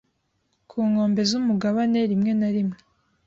ku nkombe z'umugabane rimwe na rimwe